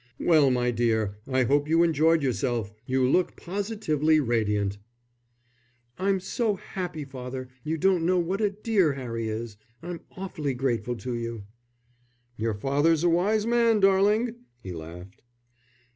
"Well, my dear, I hope you enjoyed yourself. You look positively radiant." "I'm so happy, father. You don't know what a dear Harry is. I'm awfully grateful to you." "Your father's a wise man, darling," he laughed.